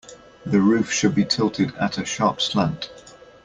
The roof should be tilted at a sharp slant.